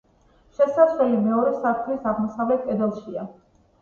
შესასვლელი მეორე სართულის აღმოსავლეთ კედელშია.